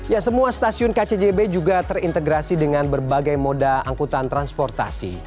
ya semua stasiun kcjb juga terintegrasi dengan berbagai moda angkutan transportasi